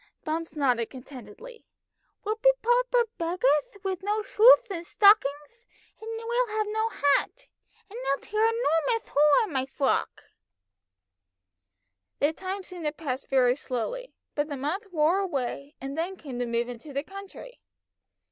Bumps nodded contentedly. "We'll be proper beggarth, with no shoeth and stockingth, and we'll have no hat, and I'll tear a 'normouth hole in my frock!" The time seemed to pass very slowly, but the month wore away, and then came the move into the country.